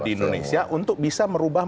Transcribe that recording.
di indonesia untuk bisa merubah